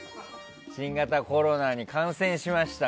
新型コロナに感染しました。